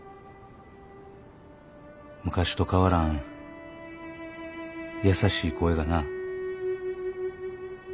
昔と変わらん優しい声がな。